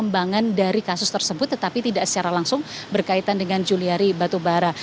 ini merupakan pengembangan dari kasus tersebut tetapi tidak secara langsung berkaitan dengan juliari batubara